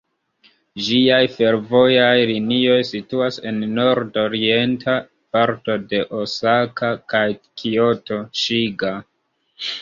Ĝiaj fervojaj linioj situas en nord-orienta parto de Osaka kaj Kioto, Ŝiga.